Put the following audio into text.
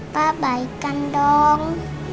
papa baikkan dong